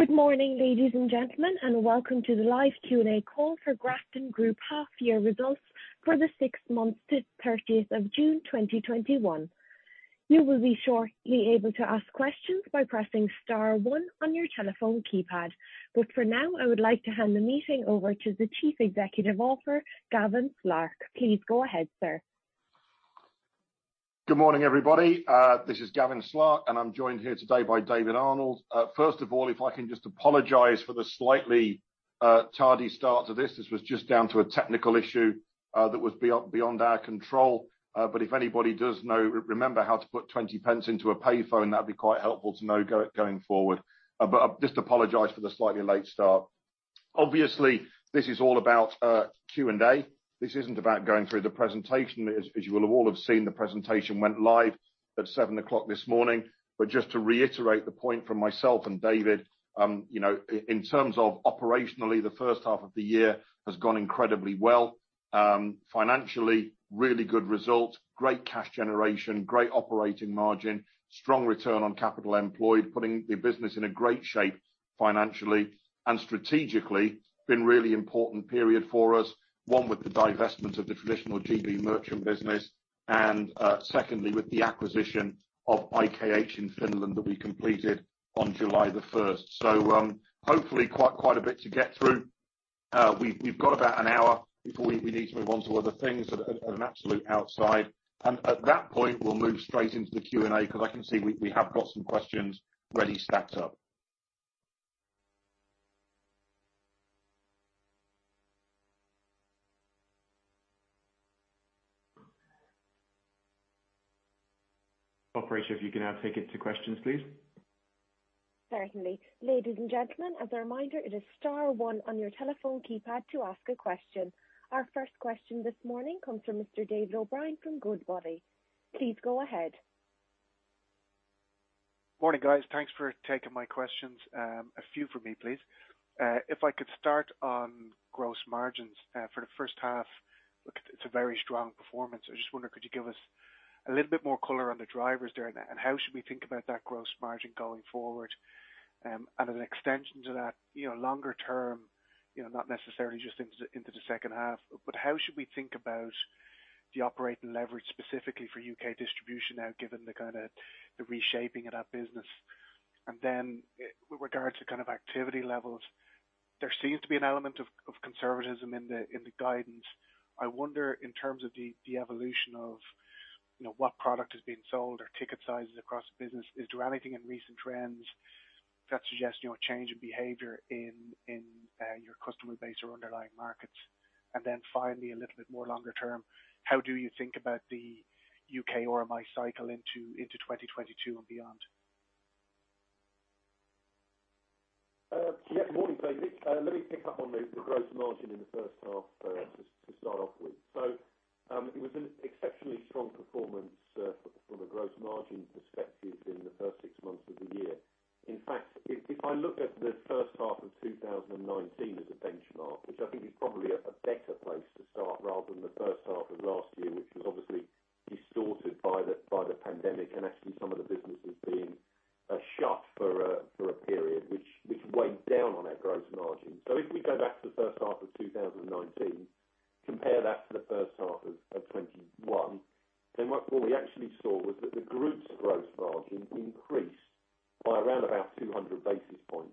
Good morning, ladies and gentlemen, and welcome to the live Q&A call for Grafton Group half-year results for the six months to 30th of June 2021. For now, I would like to hand the meeting over to the Chief Executive Officer, Gavin Slark. Please go ahead, sir. Good morning, everybody. This is Gavin Slark. I'm joined here today by David Arnold. First of all, if I can just apologize for the slightly tardy start to this. This was just down to a technical issue that was beyond our control. If anybody does know or remember how to put 0.20 into a payphone, that'd be quite helpful to know going forward. I just apologize for the slightly late start. Obviously, this is all about Q&A. This isn't about going through the presentation. As you will have all have seen, the presentation went live at 7:00 A.M. this morning. Just to reiterate the point from myself and David, in terms of operationally, the first half of the year has gone incredibly well. Financially, really good result, great cash generation, great operating margin, strong return on capital employed, putting the business in a great shape financially and strategically. Been a really important period for us, one with the divestment of the traditional GB merchant business, and secondly, with the acquisition of IKH in Finland that we completed on July 1st. Hopefully quite a bit to get through. We've got about an hour before we need to move on to other things at an absolute outside. At that point, we'll move straight into the Q&A because I can see we have got some questions ready stacked up. Operator, if you can now take it to questions, please. Certainly. Ladies and gentlemen, as a reminder, it is star one on your telephone keypad to ask a question. Our first question this morning comes from Mr. David O'Brien from Goodbody. Please go ahead. Morning, guys. Thanks for taking my questions. A few from me, please. If I could start on gross margins for the first half, it's a very strong performance. I just wonder, could you give us a little bit more color on the drivers there, and how should we think about that gross margin going forward? An extension to that, longer term, not necessarily just into the second half, but how should we think about the operating leverage specifically for U.K. distribution now, given the reshaping of that business? Then with regards to activity levels, there seems to be an element of conservatism in the guidance. I wonder in terms of the evolution of what product is being sold or ticket sizes across the business, is there anything in recent trends that suggest change in behavior in your customer base or underlying markets? Finally, a little bit more longer term, how do you think about the U.K. RMI cycle into 2022 and beyond? Morning, David. Let me pick up on the gross margin in the first half to start off with. It was an exceptionally strong performance from a gross margin perspective in the first six months of the year. In fact, if I look at the first half of 2019 as a benchmark, which I think is probably a better place to start rather than the first half of last year, which was obviously distorted by the pandemic and actually some of the businesses being shut for a period, which weighed down on our gross margin. If we go back to the first half of 2019, compare that to the first half of 2021, what we actually saw was that the group's gross margin increased by around about 200 basis points.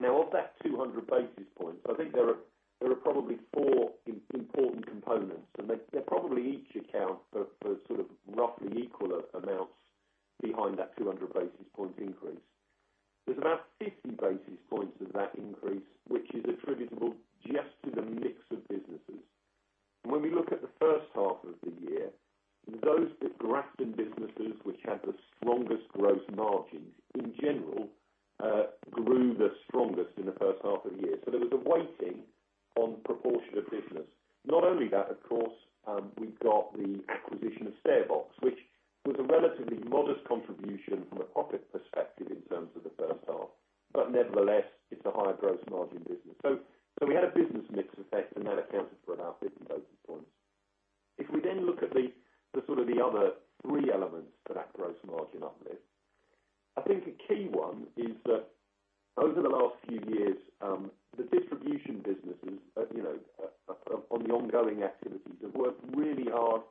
Of that 200 basis points, I think there are probably four important components, and they probably each account for roughly equal amounts behind that 200 basis point increase. There's about 50 basis points of that increase, which is attributable just to the mix of businesses. When we look at the first half of the year, those Grafton businesses which had the strongest gross margins in general grew the strongest in the first half of the year. There was a weighting on proportion of business. Not only that, of course, we've got the acquisition of StairBox, which was a relatively modest contribution from a profit perspective in terms of the first half, but nevertheless, it's a high gross margin business. We had a business mix effect, and that accounted for about 50 basis points. If we look at the other three elements for that gross margin uplift, I think a key one is that over the last few years, the distribution businesses on the ongoing activities have worked really hard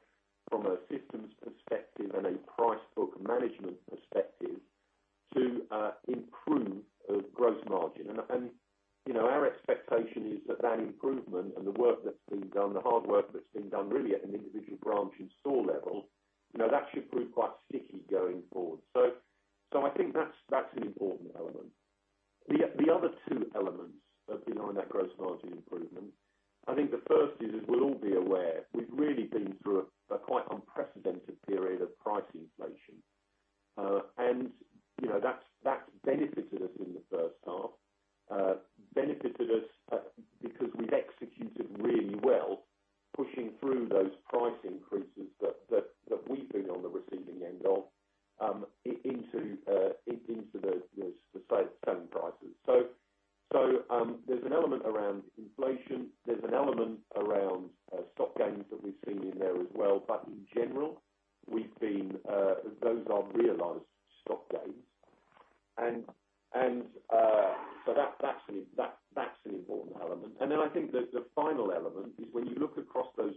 from a systems perspective and a price book management perspective to improve gross margin. Our expectation is that that improvement and the work that's been done, the hard work that's been done really at an individual branch and store level, that should prove quite sticky going forward. I think that's an important element. The other two elements behind that gross margin improvement, I think the 1st is, as we'll all be aware, we've really been through a quite unprecedented period of price inflation. That's benefited us in the first half, benefited us because we've executed really well pushing through those price increases that we've been on the receiving end of into the sale prices. There's an element around inflation, there's an element around stock gains that we've seen in there as well, but in general, those are realized stock gains. That's an important element. I think the final element is when you look across those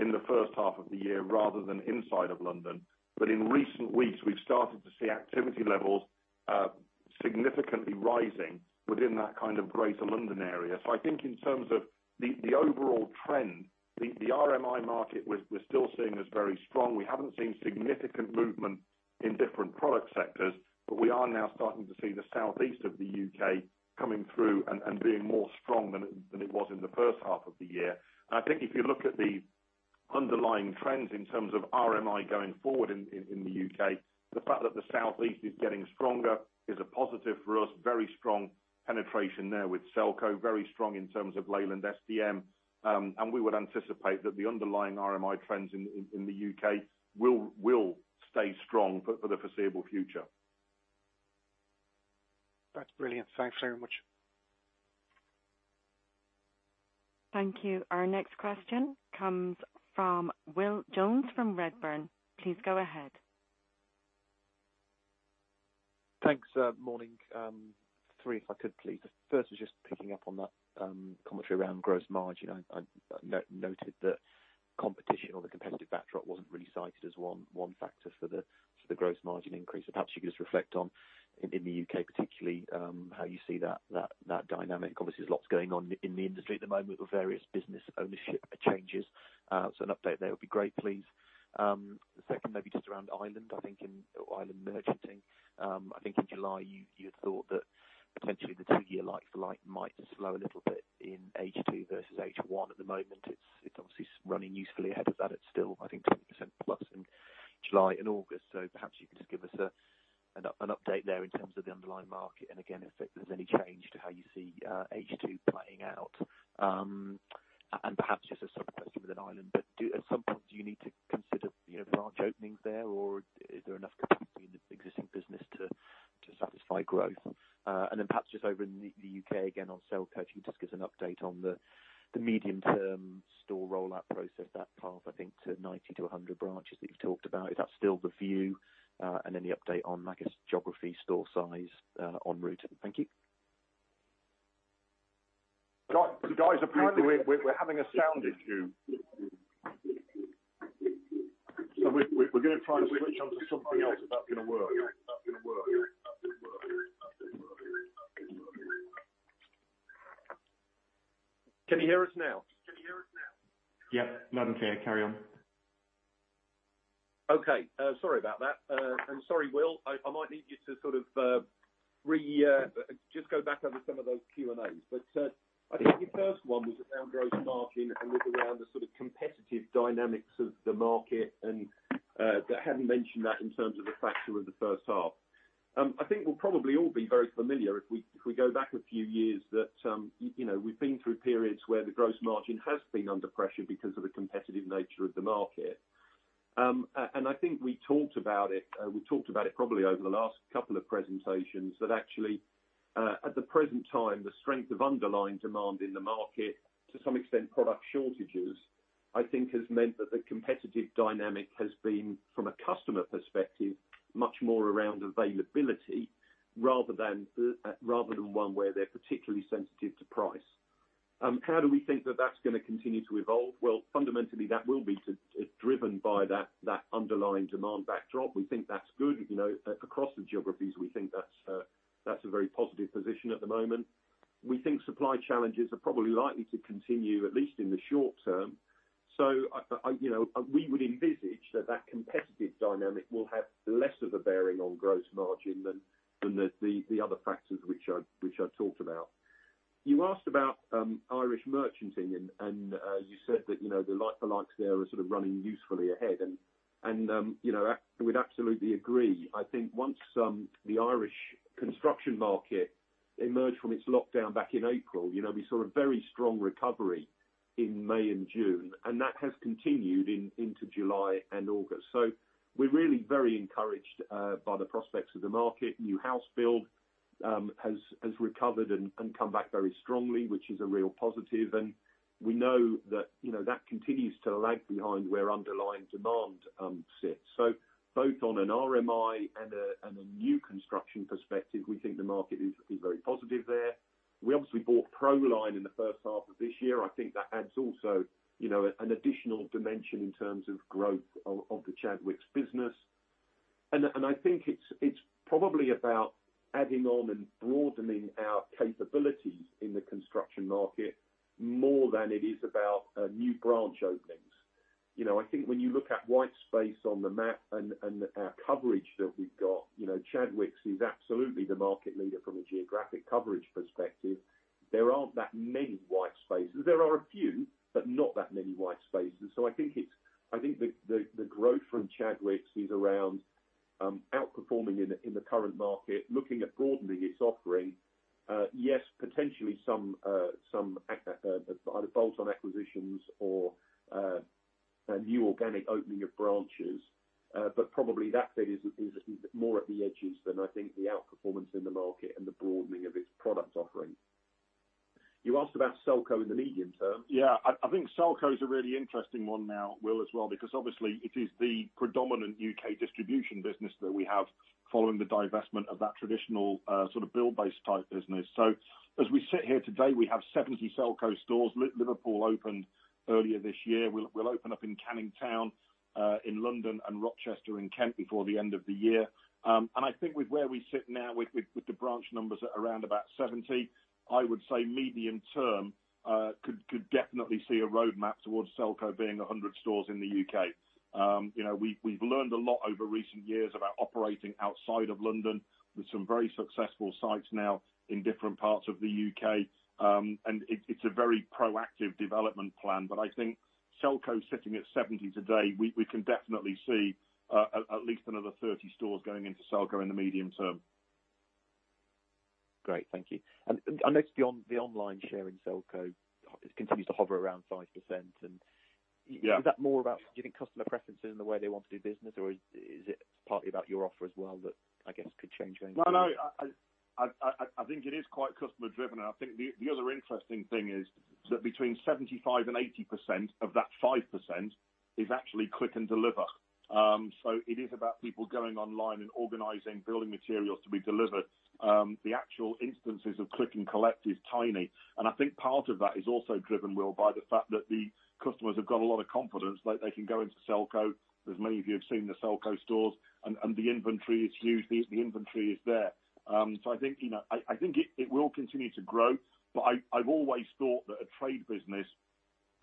in the first half of the year rather than inside of London. In recent weeks, we've started to see activity levels significantly rising within that greater London area. I think in terms of the overall trend, the RMI market we're still seeing as very strong. We haven't seen significant movement in different product sectors, but we are now starting to see the southeast of the U.K. coming through and being more strong than it was in the first half of the year. I think if you look at the underlying trends in terms of RMI going forward in the U.K., the fact that the southeast is getting stronger is a positive for us. Very strong penetration there with Selco, very strong in terms of Leyland SDM. We would anticipate that the underlying RMI trends in the U.K. will stay strong for the foreseeable future. That's brilliant. Thanks very much. Thank you. Our next question comes from Will Jones from Redburn. Please go ahead. Thanks. Morning. Three, if I could, please. The first was just picking up on that commentary around gross margin. I noted that competition or the competitive backdrop wasn't really cited as one factor for the gross margin increase. Perhaps you could just reflect on, in the U.K. particularly, how you see that dynamic. Obviously, there's lots going on in the industry at the moment with various business ownership changes. An update there would be great, please. The second maybe just around Ireland merchanting. I think in July you had thought that potentially the two-year like-for-like might slow a little bit in H2 versus H1. At the moment it's obviously running usefully ahead of that. It's still, I think, 20%+ in July and August. Perhaps you could just give us an update there in terms of the underlying market and again, if there's any change to how you see H2 playing out. Perhaps just a separate question within Ireland, at some point, do you need to consider branch openings there, or is there enough capacity in the existing business to satisfy growth? Perhaps just over in the U.K., again, on Selco, if you could just give us an update on the medium term store rollout process, that path, I think, to 90-100 branches that you've talked about. Is that still the view? Any update on, I guess, geography, store size, en route. Thank you. Guys, we're having a sound issue. We're going to try and switch onto something else if that's going to work. Can you hear us now? Yep. Loud and clear. Carry on. Okay. Sorry about that. Sorry, Will, I might need you to just go back over some of those Q&As. I think your first one was around gross margin and was around the competitive dynamics of the market and having mentioned that in terms of a factor of the first half. I think we'll probably all be very familiar if we go back a few years that we've been through periods where the gross margin has been under pressure because of the competitive nature of the market. I think we talked about it probably over the last couple of presentations, that actually at the present time. The strength of underlying demand in the market, to some extent, product shortages, I think, has meant that the competitive dynamic has been, from a customer perspective, much more around availability rather than one where they're particularly sensitive to price. How do we think that that's going to continue to evolve? Well, fundamentally, that will be driven by that underlying demand backdrop. We think that's good. Across the geographies, we think that's a very positive position at the moment. We think supply challenges are probably likely to continue, at least in the short term. We would envisage that competitive dynamic will have less of a bearing on gross margin than the other factors which I talked about. You asked about Irish merchanting, and you said that the like-for-likes there are sort of running usefully ahead, and we'd absolutely agree. I think once the Irish construction market emerged from its lockdown back in April, we saw a very strong recovery in May and June, and that has continued into July and August. We're really very encouraged by the prospects of the market. New house build has recovered and come back very strongly, which is a real positive, we know that continues to lag behind where underlying demand sits. Both on an RMI and a new construction perspective, we think the market is very positive there. We obviously bought Proline in the first half of this year. I think that adds also an additional dimension in terms of growth of the Chadwicks business. I think it's probably about adding on and broadening our capabilities in the construction market more than it is about new branch openings. I think when you look at white space on the map and our coverage that we've got, Chadwicks is absolutely the market leader from a geographic coverage perspective. There aren't that many white spaces. There are a few, but not that many white spaces. I think the growth from Chadwicks is around outperforming in the current market, looking at broadening its offering. Yes, potentially some bolt-on acquisitions or a new organic opening of branches. Probably that bit is more at the edges than I think the outperformance in the market and the broadening of its product offering. You asked about Selco in the medium term. I think Selco is a really interesting one now, Will, as well, because obviously it is the predominant U.K. distribution business that we have following the divestment of that traditional Buildbase type business. As we sit here today, we have 70 Selco stores. Liverpool opened earlier this year. We'll open up in Canning Town in London and Rochester in Kent before the end of the year. I think with where we sit now with the branch numbers at around about 70, I would say medium term could definitely see a roadmap towards Selco being 100 stores in the U.K. We've learned a lot over recent years about operating outside of London with some very successful sites now in different parts of the U.K. It's a very proactive development plan. I think Selco sitting at 70 today, we can definitely see at least another 30 stores going into Selco in the medium term. Great. Thank you. I notice the online share in Selco continues to hover around 5% is that more about, do you think customer preferences and the way they want to do business, or is it partly about your offer as well that I guess could change things? No, I think it is quite customer driven. I think the other interesting thing is that between 75% and 80% of that 5% is actually click and deliver. It is about people going online and organizing building materials to be delivered. The actual instances of click and collect is tiny, and I think part of that is also driven, Will Jones, by the fact that the customers have got a lot of confidence that they can go into Selco, as many of you have seen the Selco stores, and the inventory is huge. The inventory is there. I think it will continue to grow. I've always thought that a trade business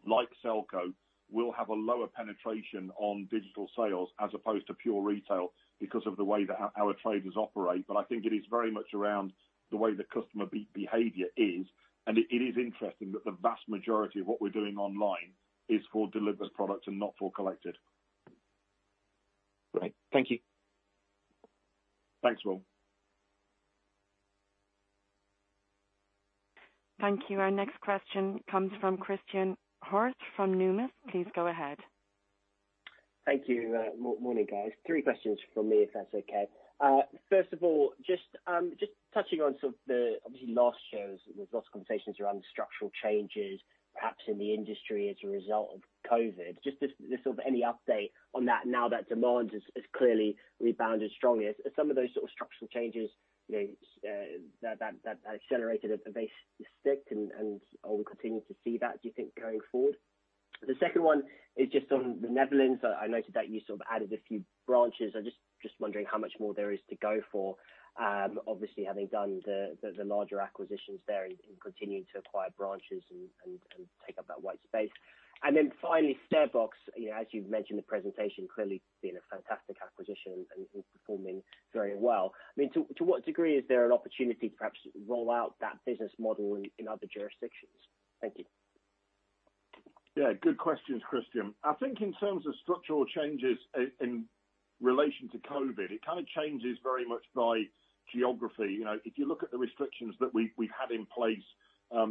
like Selco will have a lower penetration on digital sales as opposed to pure retail because of the way our traders operate. I think it is very much around the way the customer behavior is, and it is interesting that the vast majority of what we're doing online is for delivered products and not for collected. Great. Thank you. Thanks, Will. Thank you. Our next question comes from Christen Hjorth from Numis. Please go ahead. Thank you. Morning, guys. Three questions from me, if that's okay. First of all, just touching on some of, obviously last year there was lots of conversations around structural changes, perhaps in the industry as a result of COVID. Just any update on that now that demand has clearly rebounded strongly? Have some of those sort of structural changes that accelerated at pace stick and will we continue to see that, do you think, going forward? The second one is just on the Netherlands. I noted that you sort of added a few branches. I'm just wondering how much more there is to go for, obviously, having done the larger acquisitions there and continuing to acquire branches and take up that white space? Finally, StairBox, as you've mentioned in the presentation, clearly been a fantastic acquisition and is performing very well. I mean, to what degree is there an opportunity to perhaps roll out that business model in other jurisdictions? Thank you. Yeah, good questions, Christen. I think in terms of structural changes in relation to COVID, it kind of changes very much by geography. If you look at the restrictions that we've had in place,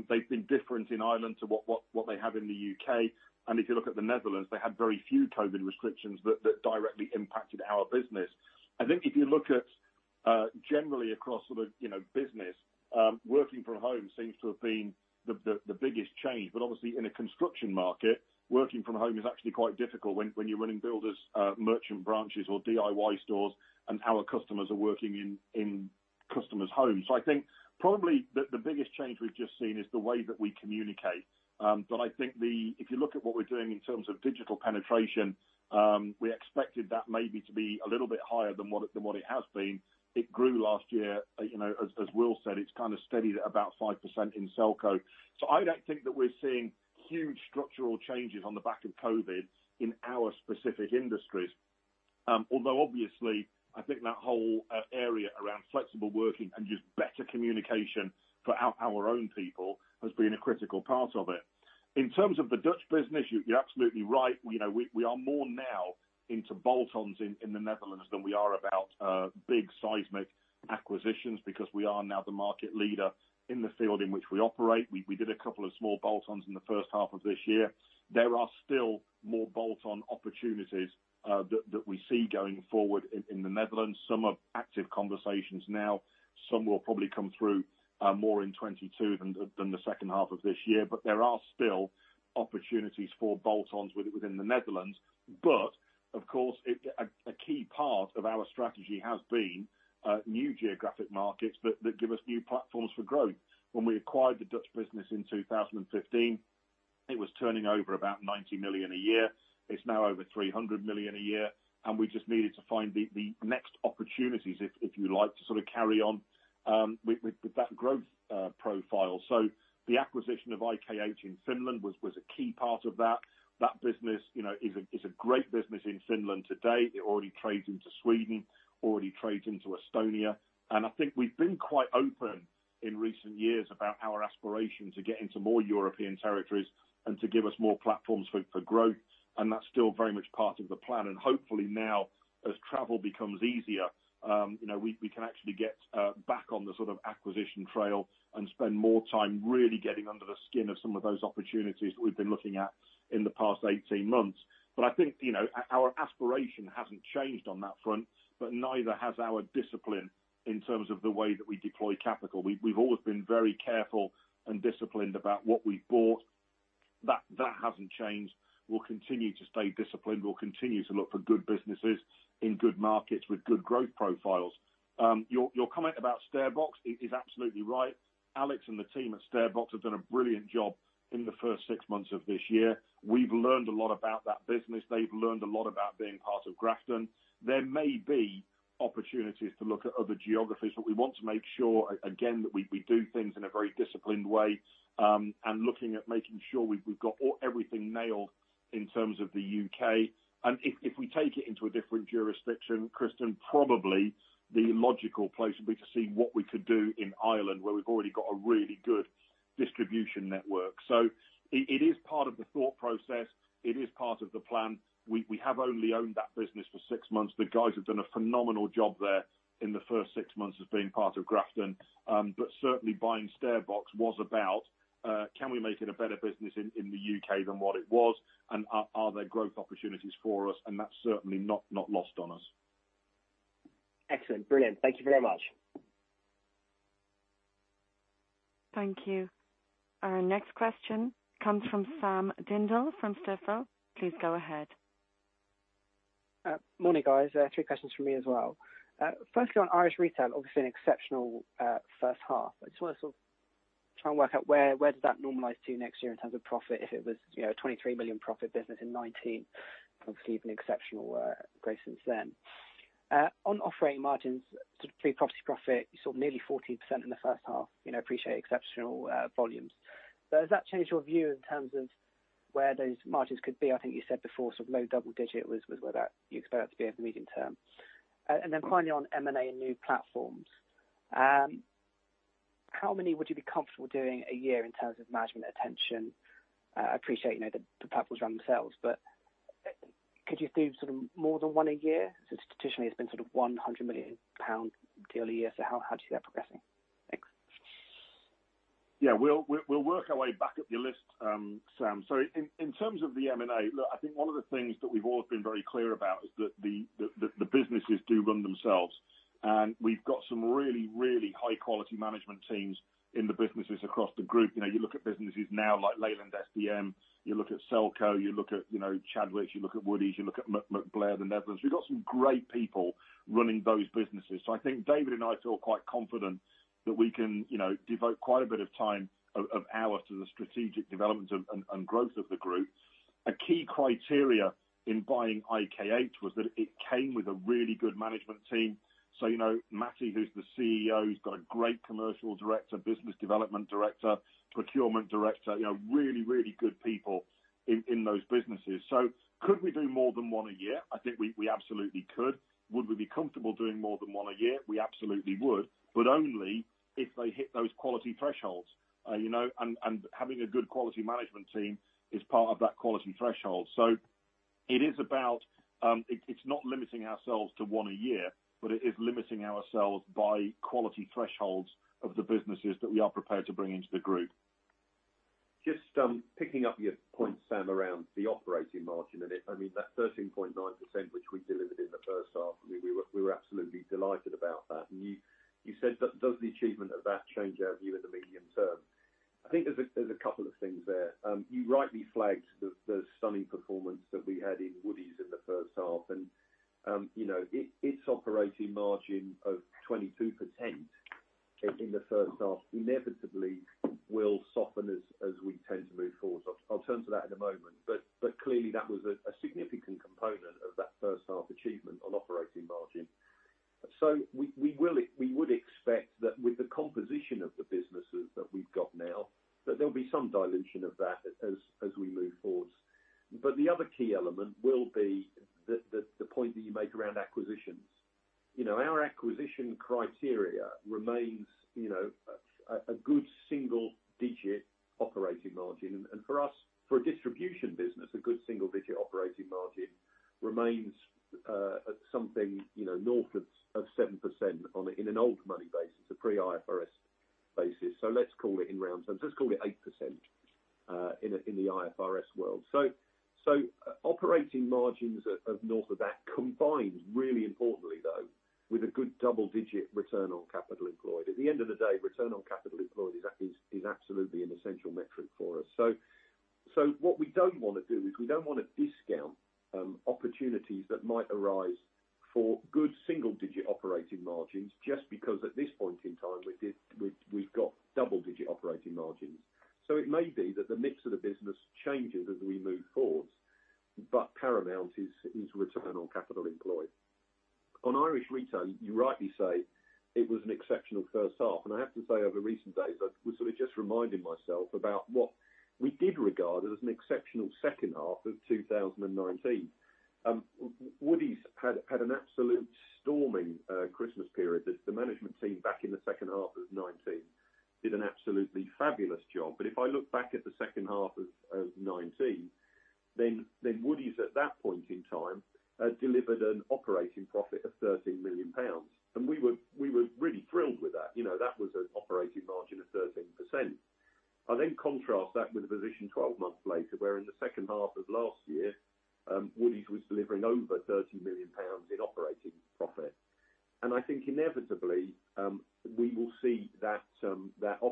they've been different in Ireland to what they have in the U.K. If you look at the Netherlands, they had very few COVID restrictions that directly impacted our business. I think if you look at generally across business, working from home seems to have been the biggest change. Obviously in a construction market, working from home is actually quite difficult when you're running builders merchant branches or DIY stores and our customers are working in customers' homes. I think probably the biggest change we've just seen is the way that we communicate. I think if you look at what we're doing in terms of digital penetration, we expected that maybe to be a little bit higher than what it has been. It grew last year. As Will said, it's kind of steadied at about 5% in Selco. I don't think that we're seeing huge structural changes on the back of COVID in our specific industries. Although obviously, I think that whole area around flexible working and just better communication for our own people has been a critical part of it. In terms of the Dutch business, you're absolutely right. We are more now into bolt-ons in the Netherlands than we are about big seismic acquisitions, because we are now the market leader in the field in which we operate. We did a couple of small bolt-ons in the first half of this year. There are still more bolt-on opportunities that we see going forward in the Netherlands. Some are active conversations now, some will probably come through more in 2022 than the second half of this year. There are still opportunities for bolt-ons within the Netherlands. Of course, a key part of our strategy has been new geographic markets that give us new platforms for growth. When we acquired the Dutch business in 2015, it was turning over about 90 million a year. It's now over 300 million a year, and we just needed to find the next opportunities, if you like, to sort of carry on with that growth profile. The acquisition of IKH in Finland was a key part of that. That business is a great business in Finland today. It already trades into Sweden, already trades into Estonia. I think we've been quite open in recent years about our aspiration to get into more European territories and to give us more platforms for growth, and that's still very much part of the plan. Hopefully now as travel becomes easier, we can actually get back on the sort of acquisition trail and spend more time really getting under the skin of some of those opportunities that we've been looking at in the past 18 months. I think our aspiration hasn't changed on that front, but neither has our discipline in terms of the way that we deploy capital. We've always been very careful and disciplined about what we've bought. That hasn't changed. We'll continue to stay disciplined. We'll continue to look for good businesses in good markets with good growth profiles. Your comment about StairBox is absolutely right. Alex and the team at StairBox have done a brilliant job in the first six months of this year. We've learned a lot about that business. They've learned a lot about being part of Grafton. There may be opportunities to look at other geographies, we want to make sure, again, that we do things in a very disciplined way, and looking at making sure we've got everything nailed in terms of the U.K. If we take it into a different jurisdiction, Christen, probably the logical place would be to see what we could do in Ireland, where we've already got a really good distribution network. It is part of the thought process. It is part of the plan. We have only owned that business for six months. The guys have done a phenomenal job there in the first six months of being part of Grafton. Certainly buying StairBox was about can we make it a better business in the U.K. than what it was, and are there growth opportunities for us? That's certainly not lost on us. Excellent. Brilliant. Thank you very much. Thank you. Our next question comes from Sam Dindol from Stifel. Please go ahead. Morning, guys. Three questions from me as well. Firstly, on Irish retail, obviously an exceptional first half. I just want to sort of try and work out where does that normalize to next year in terms of profit, if it was a 23 million profit business in 2019, obviously been exceptional growth since then. On operating margins, pre-profit, you saw nearly 14% in the first half. I appreciate exceptional volumes. Has that changed your view in terms of where those margins could be? I think you said before low double-digit was where you expect that to be over the medium term. Finally on M&A and new platforms, how many would you be comfortable doing a year in terms of management attention? I appreciate the platforms run themselves, but could you do more than one a year since traditionally it's been sort of 100 million pound yearly? How do you see that progressing? Thanks. Yeah. We'll work our way back up your list, Sam. In terms of the M&A, look, I think one of the things that we've always been very clear about is that the businesses do run themselves, and we've got some really, really high quality management teams in the businesses across the group. You look at businesses now like Leyland SDM, you look at Selco, you look at Chadwicks, you look at Woodie's, you look at MacBlair, the Netherlands. We've got some great people running those businesses. I think David and I feel quite confident that we can devote quite a bit of time of ours to the strategic development and growth of the group. A key criteria in buying IKH was that it came with a really good management team. You know Matti, who's the CEO, he's got a great commercial director, business development director, procurement director, really, really good people in those businesses. Could we do more than one a year? I think we absolutely could. Would we be comfortable doing more than one a year? We absolutely would, but only if they hit those quality thresholds. Having a good quality management team is part of that quality threshold. It's not limiting ourselves to one a year, but it is limiting ourselves by quality thresholds of the businesses that we are prepared to bring into the group. Just picking up your point, Sam, around the operating margin a bit, I mean, that 13.9% which we delivered in the first half, we were absolutely delighted about that. You said, does the achievement of that change our view in the medium term? I think there's a couple of things there. You rightly flagged the stunning performance that we had in Woodie's in the first half, and its operating margin of 22% in the first half inevitably will soften as we tend to move forward. I'll turn to that in a moment. Clearly that was a significant component of that first half achievement. We would expect that with the composition of the businesses that we've got now, that there will be some dilution of that as we move forwards. The other key element will be the point that you make around acquisitions. Our acquisition criteria remains a good single-digit operating margin. For us, for a distribution business, a good single-digit operating margin remains something north of 7% in an old money basis, a pre-IFRS basis. Let's call it in round terms, let's call it 8% in the IFRS world. Operating margins of north of that combines really importantly, though, with a good double-digit return on capital employed. At the end of the day, return on capital employed is absolutely an essential metric for us. What we don't want to do is we don't want to discount opportunities that might arise for good single-digit operating margins, just because at this point in time we've got double-digit operating margins. It may be that the mix of the business changes as we move forwards, but paramount is return on capital employed. On Irish retail, you rightly say it was an exceptional first half, and I have to say, over recent days, I was just reminding myself about what we did regard as an exceptional second half of 2019. Woodie's had an absolute storming Christmas period. The management team back in the second half of 2019 did an absolutely fabulous job. If I look back at the second half of 2019, Woodie's at that point in time had delivered an operating profit of 13 million pounds. We were really thrilled with that. That was an operating margin of 13%. I contrast that with the position 12 months later, where in the second half of last year, Woodie's was delivering over 30 million pounds in operating profit. I think inevitably, we will see that operating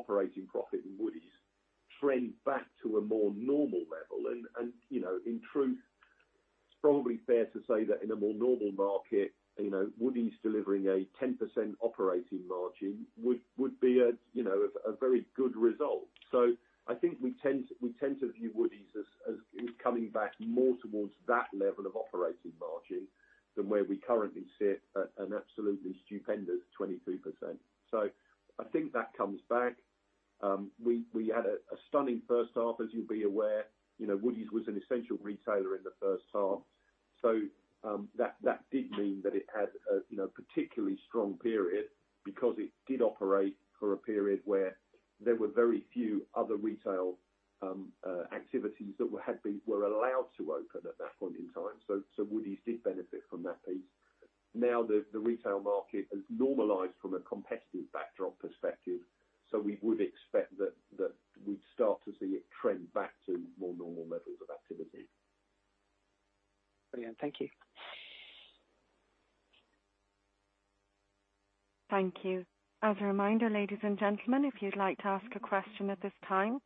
did mean that it had a particularly strong period because it did operate for a period where there were very few other retail activities that were allowed to open at that point in time. Woodie's did benefit from that piece. Now the retail market has normalized from a competitive backdrop perspective, so we would expect that we'd start to see it trend back to more normal levels of activity. Brilliant. Thank you. Thank you. As a reminder, ladies and gentlemen, if you'd like to ask a question at this time,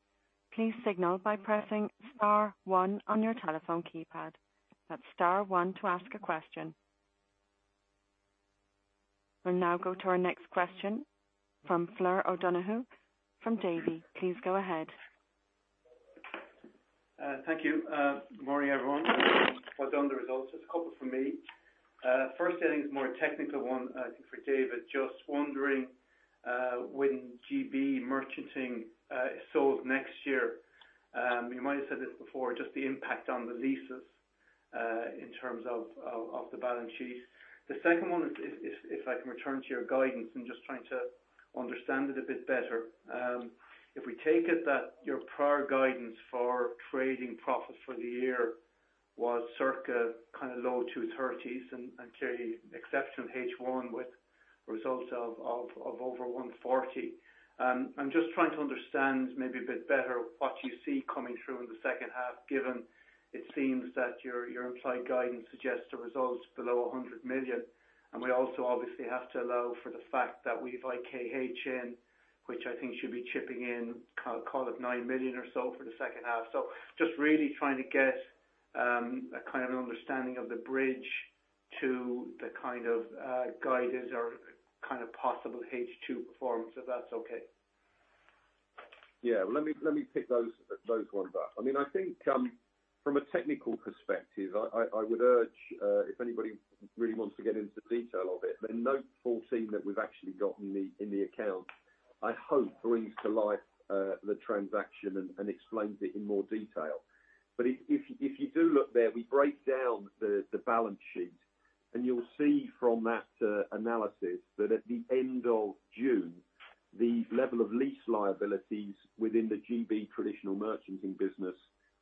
please signal by pressing star one on your telephone keypad. We'll now go to our next question from Flor O'Donoghue from Davy. Please go ahead. Thank you. Morning, everyone. Well done on the results. Just a couple from me. First, I think it's more a technical one, I think for David. Just wondering when GB Merchanting sold next year, you might have said this before, just the impact on the leases in terms of the balance sheet. The second one is, if I can return to your guidance, I'm just trying to understand it a bit better. If we take it that your prior guidance for trading profit for the year was circa EUR low 230s and clearly exceptional H1 with results of over 140. I'm just trying to understand maybe a bit better what you see coming through in the second half, given it seems that your implied guidance suggests the result's below 100 million. We also obviously have to allow for the fact that we've IKH, which I think should be chipping in, call it 9 million or so for the second half. Just really trying to get an understanding of the bridge to the guidance or possible H2 performance, if that's okay. Let me pick those ones up. I think from a technical perspective, I would urge if anybody really wants to get into the detail of it, the Note 14 that we've actually got in the account, I hope brings to life the transaction and explains it in more detail. If you do look there, we break down the balance sheet, and you'll see from that analysis that at the end of June, the level of lease liabilities within the GB Traditional Merchanting Business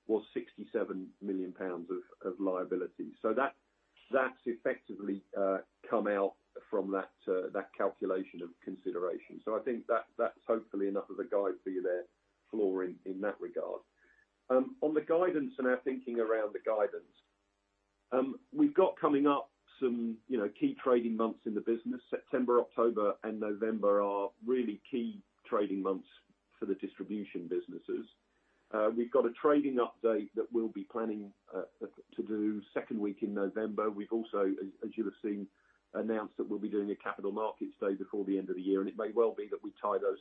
was 67 million pounds of liability. That's effectively come out from that calculation of consideration. I think that's hopefully enough of a guide for you there, Flor, in that regard. On the guidance and our thinking around the guidance, we've got coming up some key trading months in the business. September, October, and November are really key trading months for the distribution businesses. We've got a trading update that we'll be planning to do second week in November. We've also, as you'll have seen, announced that we'll be doing a capital markets day before the end of the year, and it may well be that we tie those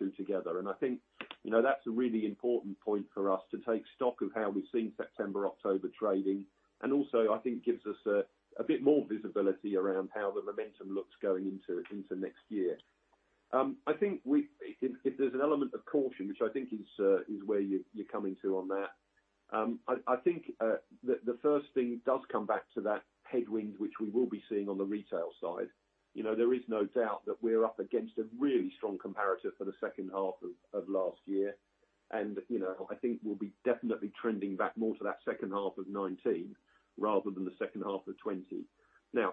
two together. I think that's a really important point for us to take stock of how we've seen September, October trading. Also I think gives us a bit more visibility around how the momentum looks going into next year. I think if there's an element of caution, which I think is where you're coming to on that, I think the first thing does come back to that headwind, which we will be seeing on the retail side. There is no doubt that we're up against a really strong comparator for the second half of last year, and I think we'll be definitely trending back more to that second half of 2019 rather than the second half of 2020.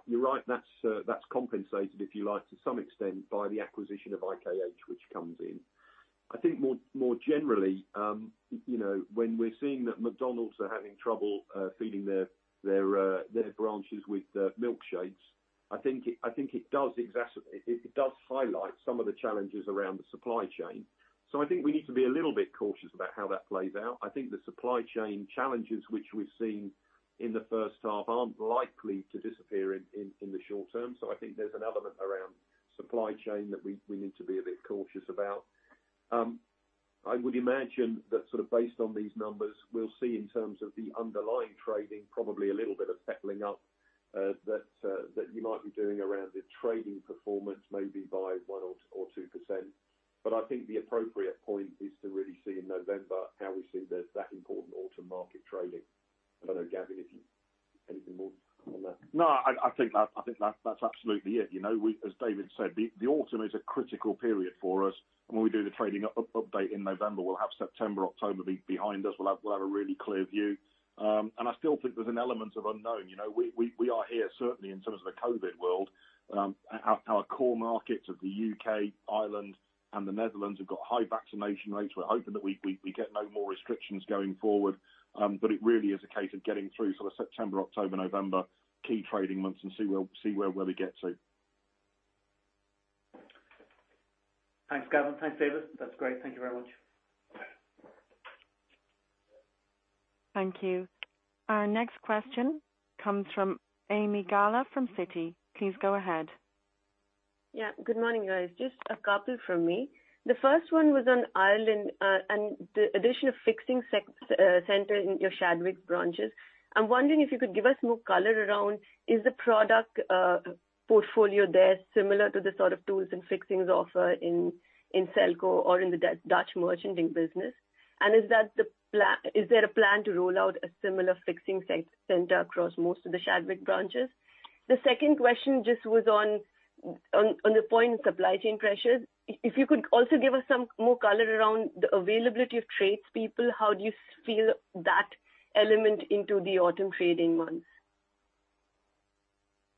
You're right, that's compensated, if you like, to some extent, by the acquisition of IKH, which comes in. I think more generally, when we're seeing that McDonald's are having trouble feeding their branches with milkshakes, I think it does highlight some of the challenges around the supply chain. I think we need to be a little bit cautious about how that plays out. I think the supply chain challenges which we've seen in the first half aren't likely to disappear in the short term. I think there's an element around supply chain that we need to be a bit cautious about. I would imagine that based on these numbers, we'll see in terms of the underlying trading, probably a little bit of settling up that you might be doing around the trading performance, maybe by 1% or 2%. I think the appropriate point is to really see in November how we see that important autumn market trading. I don't know, Gavin, if you Anything more on that? No, I think that's absolutely it. As David said, the autumn is a critical period for us, and when we do the trading update in November, we'll have September, October behind us. We'll have a really clear view. I still think there's an element of unknown. We are here, certainly in terms of the COVID world, our core markets of the U.K., Ireland, and the Netherlands have got high vaccination rates. We're hoping that we get no more restrictions going forward. It really is a case of getting through September, October, November, key trading months, and see where we get to. Thanks, Gavin. Thanks, David. That's great. Thank you very much. Thank you. Our next question comes from Ami Galla from Citi. Please go ahead. Yeah, good morning, guys. Just a couple from me. The first one was on Ireland and the addition of Fixing Centre in your Chadwicks branches. I'm wondering if you could give us more color around, is the product portfolio there similar to the sort of tools and fixings offer in Selco or in the Dutch merchanting business? Is there a plan to roll out a similar Fixing Centre across most of the Chadwicks branches? The second question just was on the point of supply chain pressures. If you could also give us some more color around the availability of tradespeople, how do you feel that element into the autumn trading months?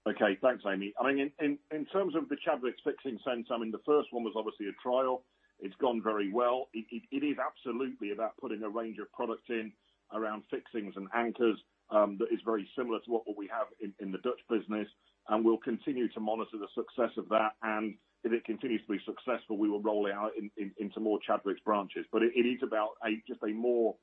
Okay. Thanks, Ami. In terms of the Chadwicks Fixing Centre, the first one was obviously a trial. It's gone very well. It is absolutely about putting a range of products in around fixings and anchors that is very similar to what we have in the Dutch business, and we'll continue to monitor the success of that, and if it continues to be successful, we will roll it out into more Chadwicks branches. It is about just a more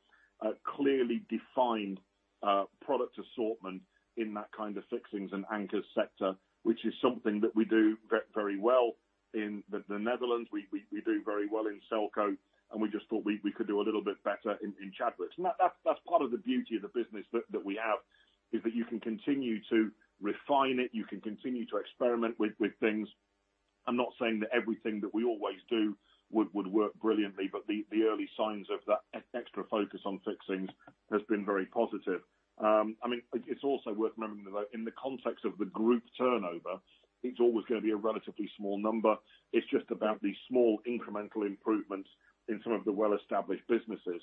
clearly defined product assortment in that kind of fixings and anchors sector, which is something that we do very well in the Netherlands, we do very well in Selco, and we just thought we could do a little bit better in Chadwicks. That's part of the beauty of the business that we have, is that you can continue to refine it, you can continue to experiment with things. I'm not saying that everything that we always do would work brilliantly, but the early signs of that extra focus on fixings has been very positive. It's also worth remembering that in the context of the group turnover, it's always going to be a relatively small number. It's just about the small incremental improvements in some of the well-established businesses.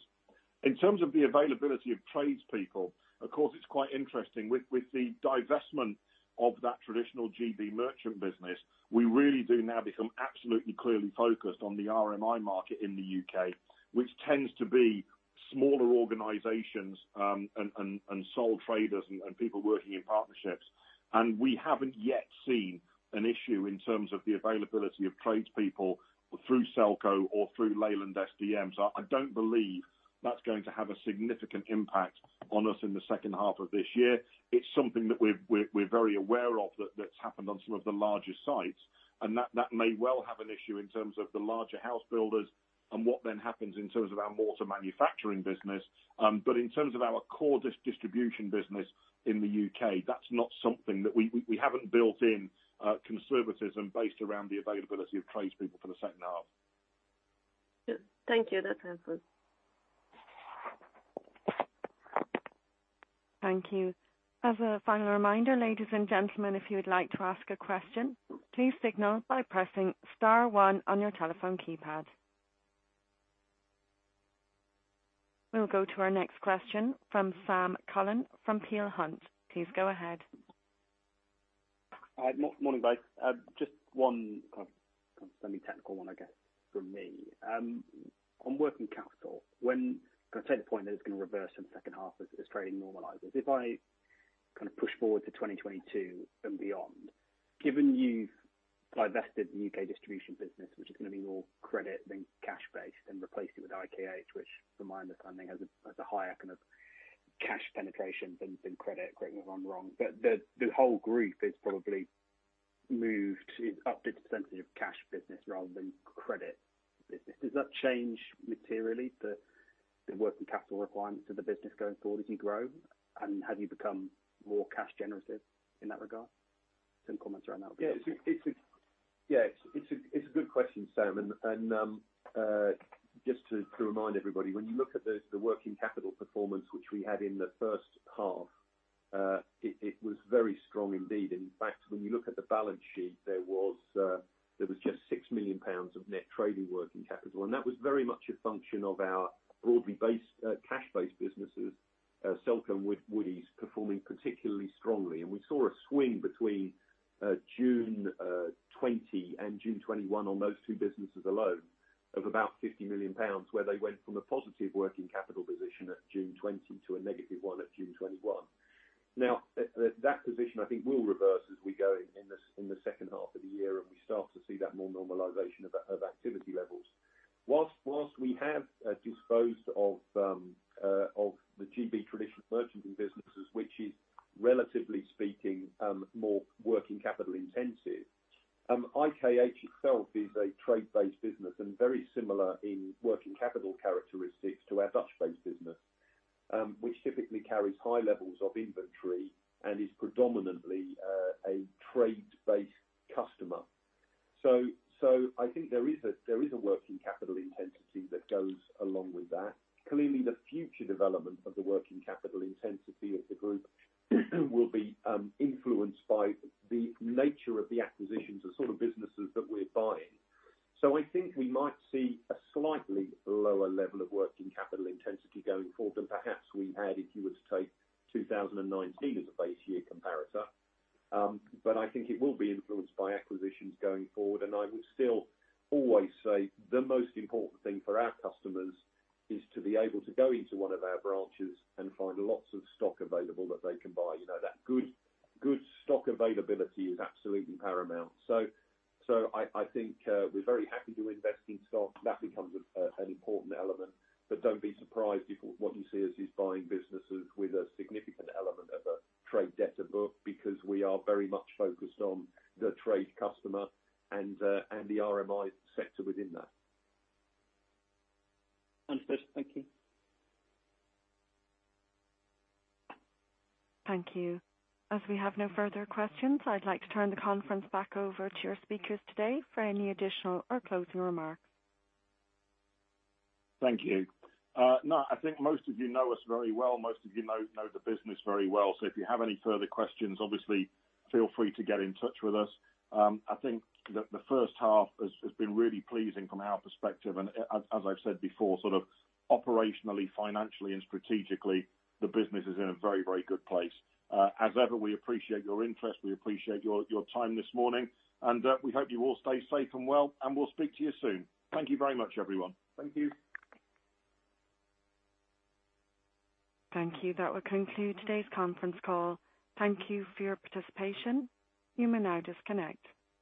In terms of the availability of tradespeople, of course, it's quite interesting. With the divestment of that traditional G.B. merchant business, we really do now become absolutely clearly focused on the RMI market in the U.K., which tends to be smaller organizations and sole traders and people working in partnerships. We haven't yet seen an issue in terms of the availability of tradespeople through Selco or through Leyland SDM. I don't believe that's going to have a significant impact on us in the second half of this year. It's something that we're very aware of that's happened on some of the larger sites. That may well have an issue in terms of the larger house builders and what then happens in terms of our mortar manufacturing business. In terms of our core distribution business in the U.K., that's not something that we haven't built in conservatism based around the availability of tradespeople for the second half. Thank you. That's helpful. Thank you. As a final reminder, ladies and gentlemen, if you would like to ask a question, please signal by pressing star one on your telephone keypad. We'll go to our next question from Sam Cullen from Peel Hunt. Please go ahead. Morning, guys. Just one kind of semi-technical one, I guess, from me. On working capital, I take the point that it's going to reverse in the second half as trading normalizes. If I push forward to 2022 and beyond, given you've divested the U.K. distribution business, which is going to be more credit than cash-based and replaced it with IKH, which from my understanding has a higher kind of cash penetration than credit. Correct me if I'm wrong, but the whole group is probably moved up to the percentage of cash business rather than credit business. Does that change materially the working capital requirements of the business going forward as you grow, and have you become more cash generative in that regard? Some comments around that would be great. Yeah, it's a good question, Sam, just to remind everybody, when you look at the working capital performance which we had in the first half, it was very strong indeed. In fact, when you look at the balance sheet, there was just 6 million pounds of net trading working capital, and that was very much a function of our broadly cash-based businesses, Selco and Woodie's performing particularly strongly. We saw a swing between June 2020 and June 2021 on those two businesses alone of about 50 million pounds, where they went from a positive working capital position at June 2020 to a negative one at June 2021. That position, I think, will reverse as we go in the second half of the year, and we start to see that more normalization of activity levels. Whilst we have disposed As we have no further questions, I'd like to turn the conference back over to your speakers today for any additional or closing remarks. Thank you. No, I think most of you know us very well. Most of you know the business very well. If you have any further questions, obviously feel free to get in touch with us. I think that the first half has been really pleasing from our perspective, and as I've said before, sort of operationally, financially, and strategically, the business is in a very good place. As ever, we appreciate your interest, we appreciate your time this morning, and we hope you all stay safe and well, and we'll speak to you soon. Thank you very much, everyone. Thank you. Thank you. That will conclude today's conference call. Thank you for your participation. You may now disconnect.